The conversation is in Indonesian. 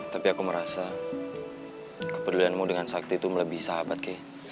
tapi aku merasa kepedulianmu dengan sakti itu melebihi sahabat kay